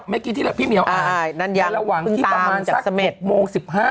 เมื่อกี้ที่พี่เมียวอ่านระหว่างที่ประมาณสัก๑โมง๑๕